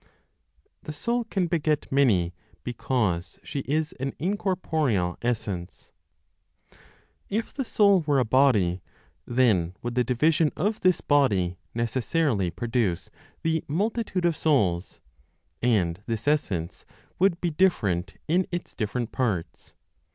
THE SOUL CAN BEGET MANY BECAUSE SHE IS AN INCORPOREAL ESSENCE. If the Soul were a body, then would the division of this body necessarily produce the multitude of souls, and this essence would be different in its different parts.